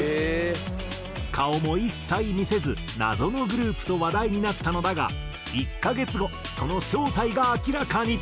顔も一切見せず謎のグループと話題になったのだが１カ月後その正体が明らかに。